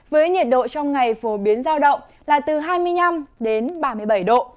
với nhiệt độ trong ngày phổ biến giao động là từ hai mươi năm đến ba mươi bảy độ